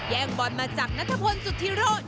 แย่งบอลมาจากนัฐพลสุธิโรธ